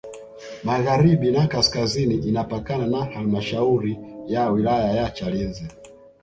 Magharibi na kaskazini inapakana na Halmashauri ya wilaya ya Chalinze